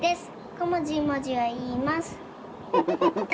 ごもじもじをいいます。